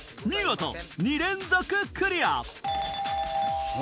見事２連続クリア！